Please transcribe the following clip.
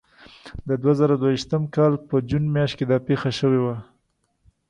د دوه زره دوه ویشتم کال په جون میاشت کې دا پېښه شوې وه.